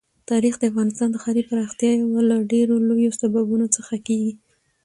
تاریخ د افغانستان د ښاري پراختیا یو له ډېرو لویو سببونو څخه کېږي.